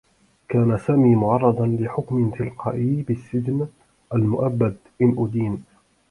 كان سامي معرّضا لحكم تلقائيّ بالسّجن المؤبّد إن أُدين.